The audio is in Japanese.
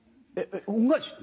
えっ？